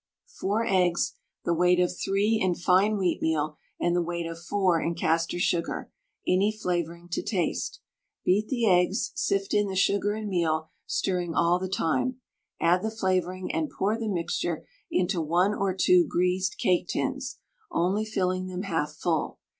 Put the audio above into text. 4 eggs, the weight of 3 in fine wheatmeal, and the weight of 4 in castor sugar, any flavouring to taste. Beat the eggs, sift in the sugar and meal, stirring all the time, add the flavouring, and pour the mixture into one or two greased cake tins, only filling them half full.